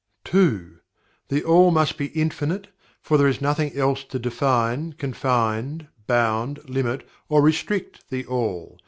(2) THE ALL must be INFINITE, for there is nothing else to define, confine, bound, limit; or restrict THE ALL.